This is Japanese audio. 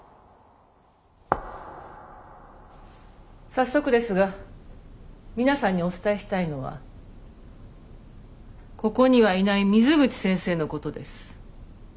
早速ですが皆さんにお伝えしたいのはここにはいない水口先生のことです。